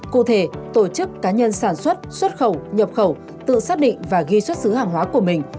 cụ thể tổ chức cá nhân sản xuất xuất khẩu nhập khẩu tự xác định và ghi xuất xứ hàng hóa của mình